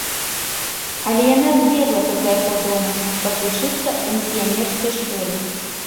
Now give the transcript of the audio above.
Але яна збегла са свайго дома, каб вучыцца ў місіянерскай школе.